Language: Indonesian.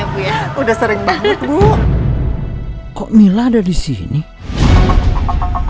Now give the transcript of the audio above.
kalau aku selama ini yang memusuhi anaknya